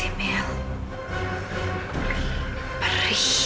bikin gatel sedikit